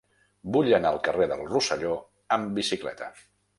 Vull anar al carrer del Rosselló amb bicicleta.